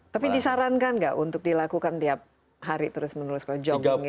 tapi disarankan nggak untuk dilakukan tiap hari terus meneruskan jogging gitu